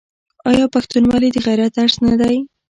آیا پښتونولي د غیرت درس نه دی؟